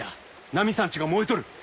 ナミさんちが燃えとる。